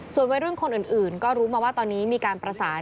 ส่วนวัยรุ่นคนอื่นก็รู้มาว่าตอนนี้มีการประสาน